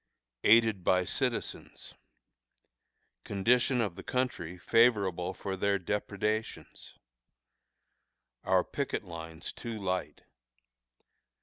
Aided by Citizens. Condition of the Country Favorable for their Depredations. Our Picket Lines too Light.